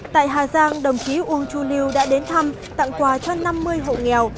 tại hà giang đồng chí uông chu lưu đã đến thăm tặng quà cho năm mươi hộ nghèo